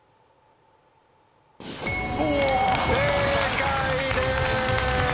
正解です。